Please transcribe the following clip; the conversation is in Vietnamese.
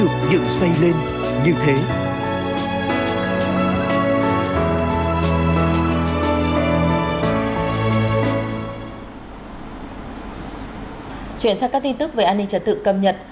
chuyển sang các tin tức về an ninh trật tự cập nhật